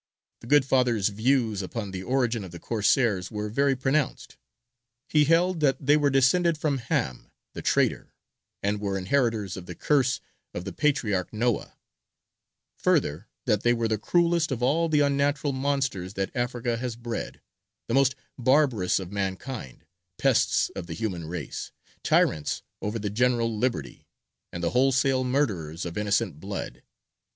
The good father's views upon the origin of the Corsairs were very pronounced. He held that they were descended from Ham, the traitor, and were inheritors of the curse of the patriarch Noah; further, that they were the cruellest of all the unnatural monsters that Africa has bred, the most barbarous of mankind, pests of the human race, tyrants over the general liberty, and the wholesale murderers of innocent blood.